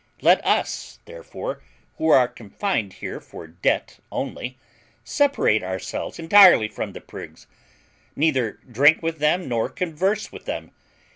Let us, therefore, who are confined here for debt only, separate ourselves entirely from the prigs; neither drink with them nor converse with them.